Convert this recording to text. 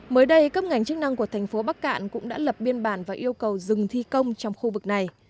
mới đây cấp ngành chức năng của tp bắc cạn cũng đã lập biên bản và yêu cầu dừng thi công trong khu vực này